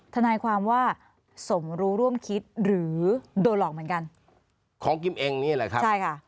ทนายความว่าสมรู้ร่วมคิดหรือโดนหลอกเหมือนกันของกิมเองนี่แหละครับใช่ค่ะ